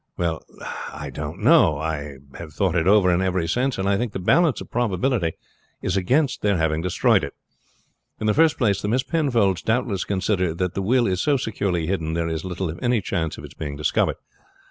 Well, I don't know; I have thought it over in every sense, and think the balance of probability is against their having destroyed it. In the first place the Miss Penfolds doubtless consider that the will is so securely hidden there is little, if any, chance of its being discovered.